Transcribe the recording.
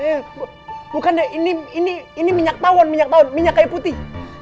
eh bukan deh ini minyak tawon minyak kayu putih